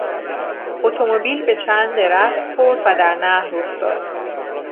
اتومبیل به چند درخت خورد و در نهر افتاد.